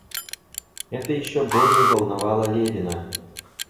Это еще более волновало Левина.